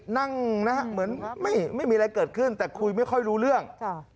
นั่งนะฮะเหมือนไม่มีอะไรเกิดขึ้นแต่คุยไม่ค่อยรู้เรื่อง